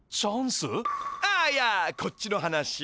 あっいやこっちの話。